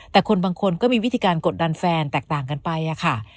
แต่คนบางคนก็มีวิธีการกดดันแฟนแตกต่างกันไปค่ะ